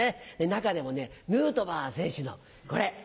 中でもヌートバー選手のこれ！